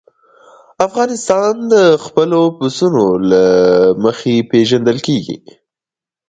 افغانستان د خپلو پسونو له مخې پېژندل کېږي.